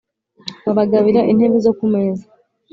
Babagabira intebe zo ku meza!